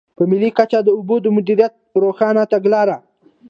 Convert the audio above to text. په ملي کچه د اوبو د مدیریت روښانه تګلاره.